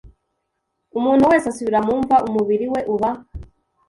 Umuntu wese asubira mu mva umubiri we uba